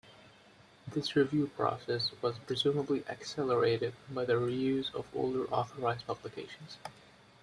This review process was presumably accelerated by the reuse of older authorized publications.